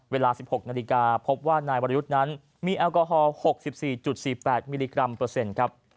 เวลา๑๖นาฬิกาพบว่านายวรยุทธ์นั้นมีแอลกอฮอล์๖๔๔๘มิลลิกรัมเปอร์เซ็นต์ครับ